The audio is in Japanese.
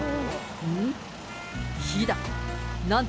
ん？